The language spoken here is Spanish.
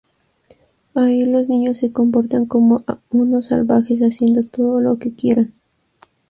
Ahí los niños se comportan como unos Salvajes, haciendo todo lo que quieran.